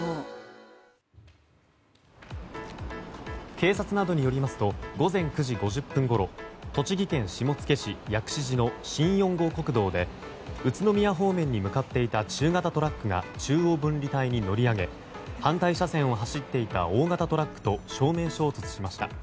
警察などによりますと午前９時５０分ごろ栃木県下野市薬師寺の新４号国道で宇都宮方面に向かっていた中型トラックが中央分離帯に乗り上げ反対車線を走っていた大型トラックと正面衝突しました。